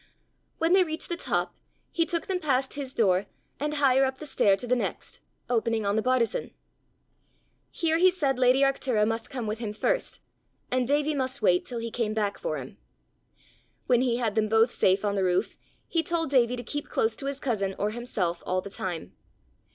When they reached the top, he took them past his door, and higher up the stair to the next, opening on the bartizan. Here he said lady Arctura must come with him first, and Davie must wait till he came back for him. When he had them both safe on the roof, he told Davie to keep close to his cousin or himself all the time.